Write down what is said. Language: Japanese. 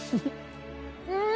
うん！